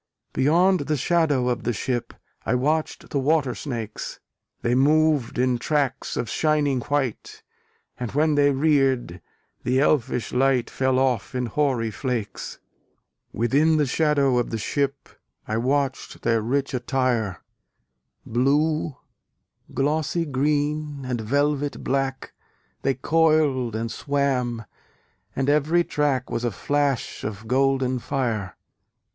Beyond the shadow of the ship, I watched the water snakes: They moved in tracks of shining white, And when they reared, the elfish light Fell off in hoary flakes. Within the shadow of the ship I watched their rich attire: Blue, glossy green, and velvet black, They coiled and swam; and every track Was a flash of golden fire.